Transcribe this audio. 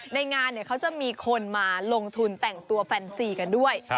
ในงานเขาจะมีคนมาลงทุนแต่งตัวแฟนซีกันด้วย